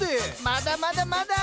まだまだまだ！